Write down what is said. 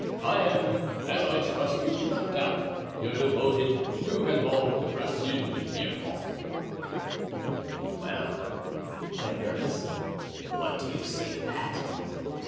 "I am, as I trust you do not doubt, your devoted "Du Vallon de Bracieux de Pierrefonds." "Well," said Aramis, "what do you say to that?"